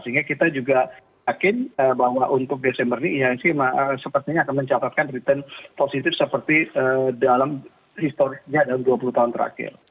sehingga kita juga yakin bahwa untuk desember ini ihsg sepertinya akan mencatatkan return positif seperti dalam historisnya dalam dua puluh tahun terakhir